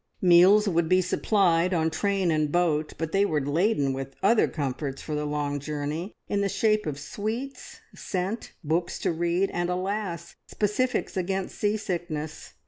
Meals would be supplied on train and boat, but they were laden with other comforts for the long journey in the shape of sweets, scent, books to read, and, alas! specifics against sea sickness.